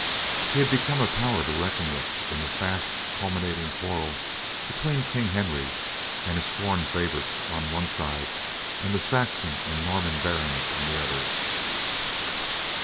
He had become a power to reckon with in the fast culminating quarrel between King Henry and his foreign favorites on one side, and the Saxon and Norman barons on the other.